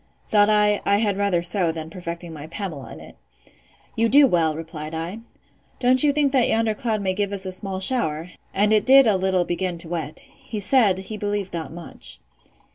—Thought I, I had rather so, than perfecting my Pamela in it.—You do well, replied I.—Don't you think that yonder cloud may give us a small shower? and it did a little begin to wet.—He said, he believed not much.